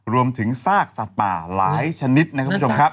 รวมถึงซากสัตว์ป่าหลายชนิดนะครับคุณผู้ชมครับ